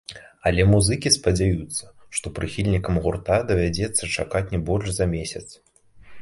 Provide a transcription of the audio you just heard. Але музыкі спадзяюцца, што прыхільнікам гурта давядзецца чакаць не больш за месяц.